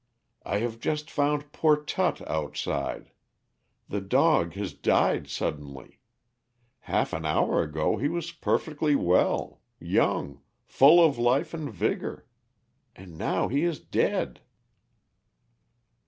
"I have just found poor Tut outside. The dog has died suddenly. Half an hour ago he was perfectly well, young, full of life and vigor. And now he is dead."